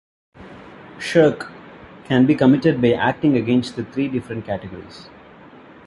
"Shirk" can be committed by acting against the three different categories.